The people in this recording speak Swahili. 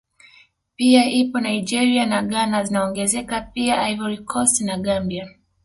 Pia ipo Nigeria na Ghana zinaongezeka pia Ivory Cost na Gambia